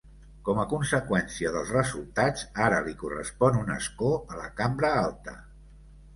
Com a conseqüència dels resultats, ara li correspon un escó a la cambra alta.